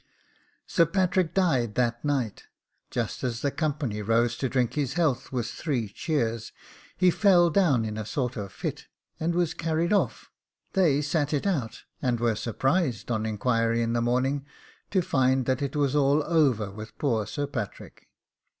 Sir Patrick died that night: just as the company rose to drink his health with three cheers, he fell down in a sort of fit, and was carried off; they sat it out, and were surprised, on inquiry in the morning, to find that it was all over with poor Sir Patrick.